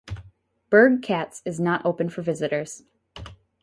Burg Katz is not open for visitors.